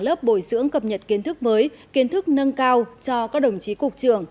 lớp bồi dưỡng cập nhật kiến thức mới kiến thức nâng cao cho các đồng chí cục trưởng